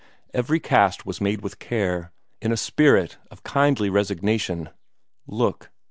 Every cast was made with care, in a spirit of kindly resignation. Look!